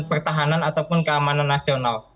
pertahanan ataupun keamanan nasional